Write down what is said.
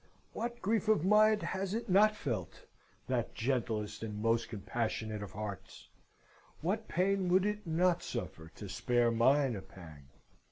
What grief of mine has it not felt, that gentlest and most compassionate of hearts? What pain would it not suffer to spare mine a pang?